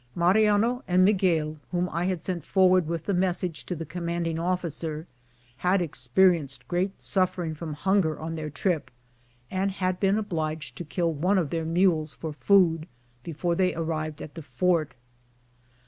Mariano and Miguel, whom I had sent forward with the message to the commanding officer, had experienced great suffering from hunger upon their trip, and had been obliged to kill one of their mules for food before they arrived at the fort.